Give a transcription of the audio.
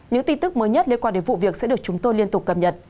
những tin tức mới nhất liên quan đến vụ việc sẽ được chúng tôi liên tục cập nhật